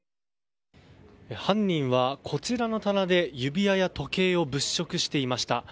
犯人はこちらの棚で指輪や時計を物色していました。